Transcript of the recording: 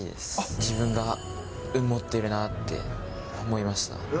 自分が運持ってるなって思いました。